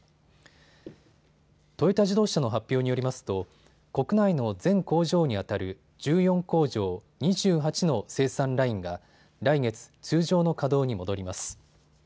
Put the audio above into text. トヨタ自動車の発表によりますと国内の全工場にあたる１４工場、２８の生産ラインが来月、通常の稼働に戻ります。